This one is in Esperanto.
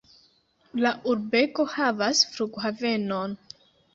La urbego havas flughavenon.